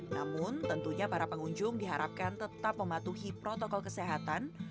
namun tentunya para pengunjung diharapkan tetap mematuhi protokol kesehatan